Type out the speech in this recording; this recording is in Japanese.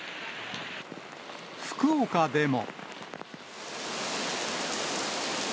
福岡でも。